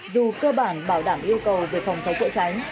dù cơ bản bảo đảm yêu cầu về phòng cháy chữa cháy